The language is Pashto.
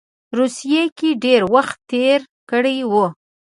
روسیې کې ډېر وخت تېر کړی وو.